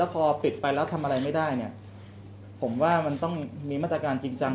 พอปิดไปแล้วทำอะไรไม่ได้เนี่ยผมว่ามันต้องมีมาตรการจริงจัง